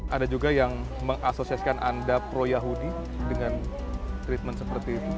ada juga yang mengasosiasikan anda pro yahudi dengan treatment seperti itu